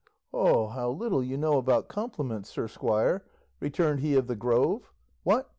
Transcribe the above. "O how little you know about compliments, sir squire," returned he of the Grove. "What!